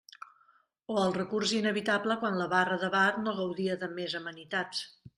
O el recurs inevitable quan la barra de bar no gaudia de més amenitats.